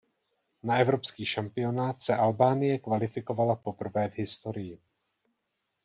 Na evropský šampionát se Albánie kvalifikovala poprvé v historii.